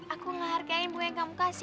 aku menghargai bunga yang kamu kasih